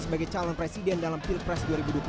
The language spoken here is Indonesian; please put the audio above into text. sebagai calon presiden dalam pilpres dua ribu dua puluh